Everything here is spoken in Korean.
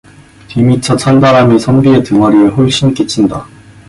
뒤미처 찬바람이 선비의 등허리에 훌씬 끼친다.